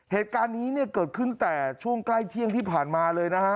เหตุการณ์นี้เนี่ยเกิดขึ้นแต่ช่วงใกล้เที่ยงที่ผ่านมาเลยนะฮะ